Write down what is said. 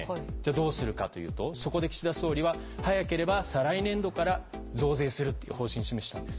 どうするかというと岸田総理は早ければ再来年度から増税するという方針を示したんです。